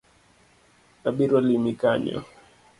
Abiro limi kanyo